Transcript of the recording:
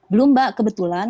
belum mbak kebetulan